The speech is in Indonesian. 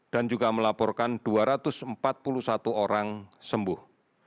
dan juga melaporkan dua ratus empat puluh satu orang sembuh